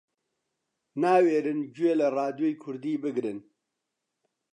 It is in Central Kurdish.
ناوێرن گوێ لە ڕادیۆی کوردی بگرن